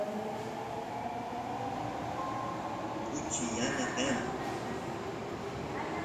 kuchi yana kan